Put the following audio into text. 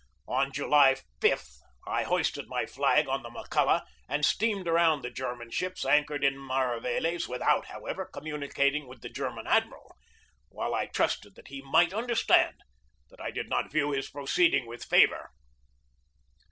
On July 5 I hoisted my flag on the McCulloch and steamed around the German ships anchored in Mari veles, without, however, communicating with the German admiral, while I trusted that he might under stand that I did not view his proceeding with favor.